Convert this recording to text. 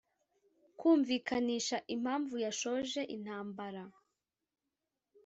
kumvikanisha impamvu yashoje intambara.